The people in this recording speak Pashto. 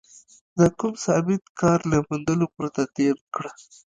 د کوم ثابت کار له موندلو پرته تېره کړې.